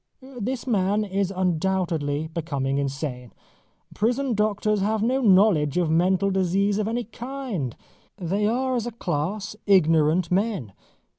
This man is undoubtedly becoming insane. Prison doctors have no knowledge of mental disease of any kind. They are as a class ignorant men.